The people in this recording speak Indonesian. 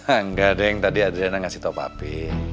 enggak deng tadi adriana ngasih tau papi